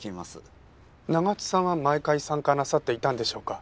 長津さんは毎回参加なさっていたんでしょうか？